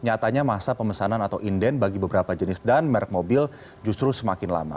nyatanya masa pemesanan atau inden bagi beberapa jenis dan merek mobil justru semakin lama